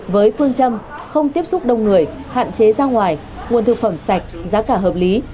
với phương châm không tiếp xúc đông người hạn chế ra ngoài nguồn thực phẩm sạch giá cả hợp lý